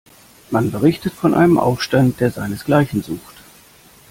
Man berichtet von einem Aufstand, der seinesgleichen sucht.